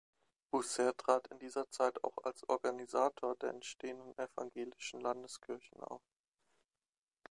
Bucer trat in dieser Zeit auch als Organisator der entstehenden evangelischen Landeskirchen auf.